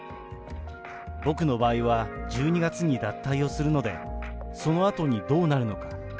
僕の場合は、１２月に脱退をするので、そのあとにどうなるのか。